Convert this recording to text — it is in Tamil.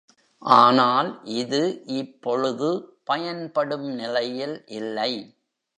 ஆனால் இது இப்பொழுது பயன்படும் நிலையில் இல்லை.